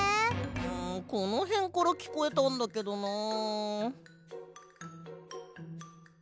んこのへんからきこえたんだけどなあ。